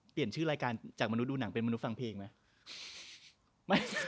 เปลี่ยนชื่อรายการจากมนุษย์ดูหนังเป็นมนุษย์ฟังเพลงไหม